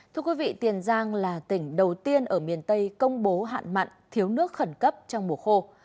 thưa quý vị tiền giang là tỉnh đầu tiên ở miền tây công bố hạn mặn thiếu nước khẩn cấp trong mùa khô